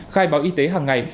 khai báo y tế hằng ngày